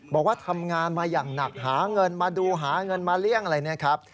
บอกว่าทำงานมาอย่างหนักหาเงินมาดูหาเงินมาเลี่ยงอะไรนะครับ